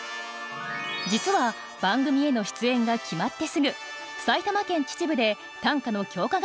実は番組への出演が決まってすぐ埼玉県秩父で短歌の強化